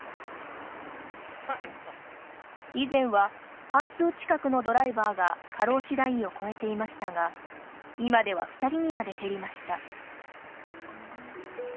以前は半数近くのドライバーが過労死ラインを超えていましたが今では２人にまで減りました。